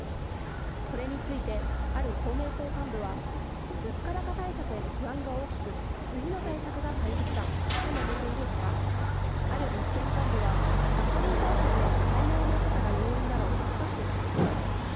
これについてある公明党幹部は、物価高対策への不安が大きく、次の対策が大切だと述べている他、ある立憲幹部は、ガソリン対策への対応の遅さが要因だろうと指摘しています。